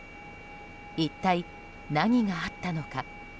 一体、何があったのか？